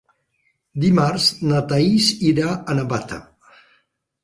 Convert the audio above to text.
Dimarts na Thaís irà a Navata.